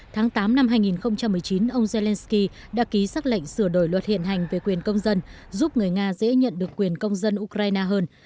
tháng tám năm hai nghìn một mươi chín ông zelensky đã ký xác lệnh sửa đổi luật hiện hành về quyền công dân giúp người nga dễ nhận được quyền công dân ukraine hơn